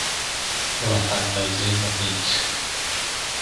راهاندازی محیط